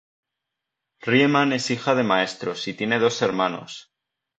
Riemann es hija de maestros y tiene dos hermanos.